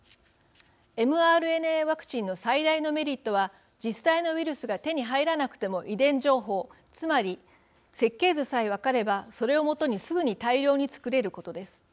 ｍＲＮＡワクチンの最大のメリットは実際のウイルスが手に入らなくても遺伝情報つまり設計図さえ分かればそれを基にすぐに大量に作れることです。